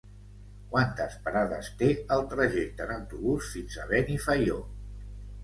Quantes parades té el trajecte en autobús fins a Benifaió?